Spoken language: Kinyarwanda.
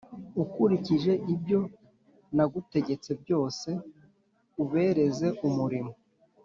Ukurikije ibyo nagutegetse byose ubereze umurimo